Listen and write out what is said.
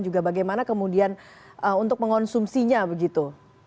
juga bagaimana kemudian untuk mengonsumsinya begitu